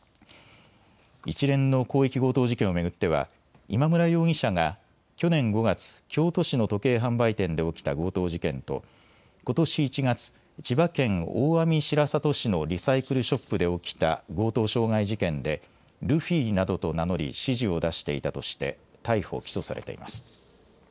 一連の広域強盗事件を巡っては今村容疑者が去年５月、京都市の時計販売店で起きた強盗事件とことし１月、千葉県大網白里市のリサイクルショップで起きた強盗傷害事件でルフィなどと名乗り指示を出していたとして逮捕・起訴されています。